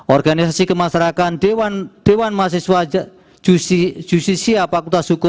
organisasi kemasrakan dewan dewan mahasiswa saja jbj jissi apoyka o